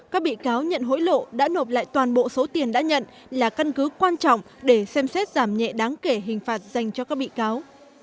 các bị cáo nhận hối lộ đã nộp lại toàn bộ số tiền đã nhận là căn cứ quan trọng để xem xét giảm nhẹ đáng kể hình phạt dành cho các bị cáo